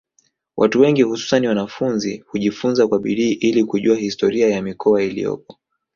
Watu wengi hususani wanafunzi hujifunza kwa bidii ili kujua historia ya mikoa iliyopo